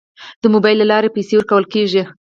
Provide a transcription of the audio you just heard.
د موبایل له لارې پیسې ورکول کیږي.